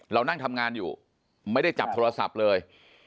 เรานั่งทำงานอยู่ไม่ได้จับโทรศัพท์เลย